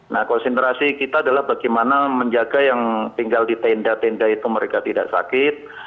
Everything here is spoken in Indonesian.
nah konsentrasi kita adalah bagaimana menjaga yang tinggal di tenda tenda itu mereka tidak sakit